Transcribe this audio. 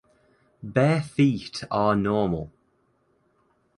Bare feet are normal.